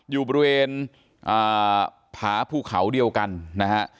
อยู่บริเวณผาภูเขาเดียวกันนะฮะ